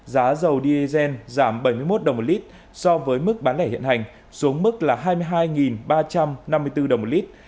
giá dầu diesel giảm bảy mươi một đồng một lít so với mức bán lẻ hiện hành xuống mức là hai mươi hai ba trăm năm mươi bốn đồng một lít